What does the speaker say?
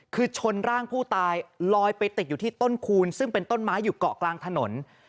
คือชนร่างผู้ตายลอยไปติดอยู่ที่ต้นคูณซึ่งเป็นต้นไม้อยู่เกาะกลางถนน